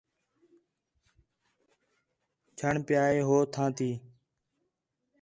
چھݨ پِیا ہے ہو تھاں تی